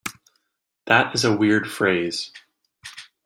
That is a weird phrase.